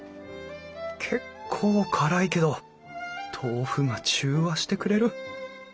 結構辛いけど豆腐が中和してくれる！